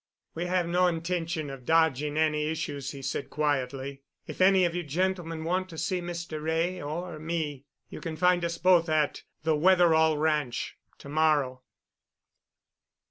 "We have no intention of dodging any issues," he said quietly. "If any of you gentlemen want to see Mr. Wray or me, you can find us both at the Wetherall Ranch to morrow."